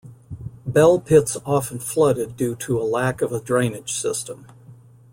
Bell pits often flooded due to a lack of a drainage system.